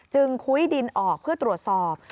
คุ้ยดินออกเพื่อตรวจสอบ